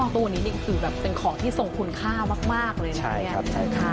ตัวนี้ก็เป็นของที่ทรงคุณค่ามากเลยนะครับ